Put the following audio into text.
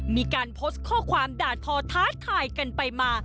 มีการโพสต์ข้อความด่าทอท้าทายกันไปมา